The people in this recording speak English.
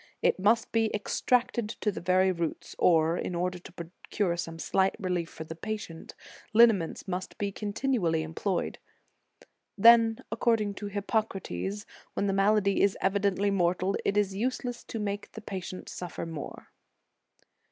It must be extracted to the very roots, or, in order to procure some slight relief for the patient, liniments must be continually employed. Then, according to Hippocrates, when the malady is evidently mortal, it is useless to make the patient suffer more.